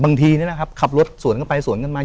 บางทีนะครับขับรถสวนเข้าไปสวนกันมา